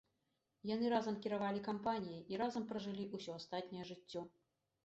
Яны разам кіравалі кампаніяй і разам пражылі усё астатняе жыццё.